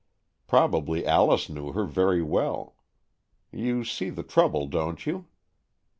Prob ably Alice knew her very well. You see the trouble, don't you